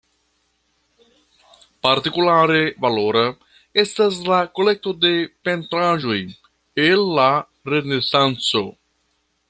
Partikulare valora, estas la kolekto de pentraĵoj el la Renesanco.